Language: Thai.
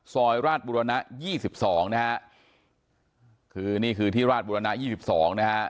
ซอยราชบุรณะยี่สิบสองนะฮะคือนี่คือที่ราชบุรณะยี่สิบสองนะฮะ